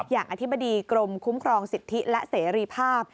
อธิบดีกรมคุ้มครองสิทธิและเสรีภาพ